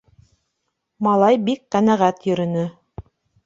Малай бик ҡәнәғәт йөрөнө.